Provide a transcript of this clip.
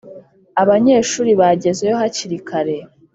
abanyeshuri bagezeyo hakiri kare